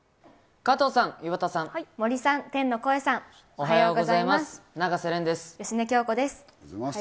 おはようございます！